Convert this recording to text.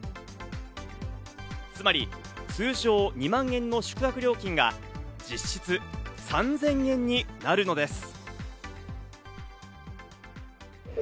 つまり、通常２万円の宿泊料金が実質３０００円になるのです。